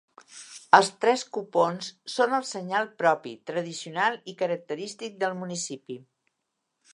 Els tres copons són el senyal propi, tradicional i característic del municipi.